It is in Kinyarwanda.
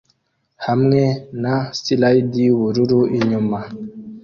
Hamwe na slide yubururu inyuma